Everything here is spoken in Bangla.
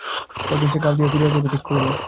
পরদিন সে গাওদিয়া ফিরিয়া যাইবে ঠিক করিল।